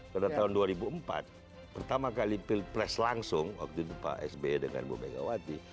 karena tahun dua ribu empat pertama kali pilpres langsung waktu itu pak sb dengan bu begawati